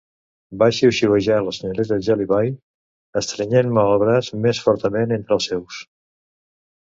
va xiuxiuejar la senyoreta Jellyby, estrenyent-me el braç més fortament entre els seus.